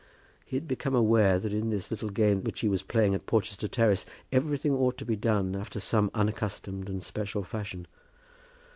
He had become aware that in this little game which he was playing in Porchester Terrace everything ought to be done after some unaccustomed and special fashion.